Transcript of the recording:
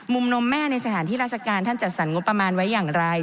นมแม่ในสถานที่ราชการท่านจัดสรรงบประมาณไว้อย่างไร